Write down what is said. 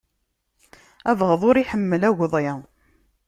Abeɣḍi ur iḥemmel agḍi.